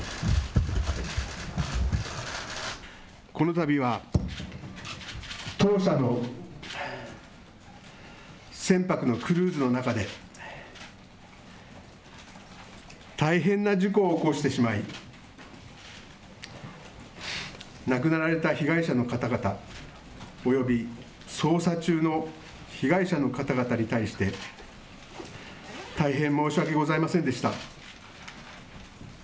このたびは当社の船舶のクルーズの中で、大変な事故を起こしてしまい、亡くなられた被害者の方々、および捜査中の被害者の方々に対して、大変申し訳ございませんでした。